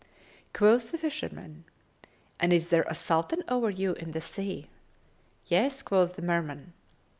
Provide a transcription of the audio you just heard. Quoth the fisherman, "And is there a Sultan over you in the sea?" "Yes," quoth the Merman.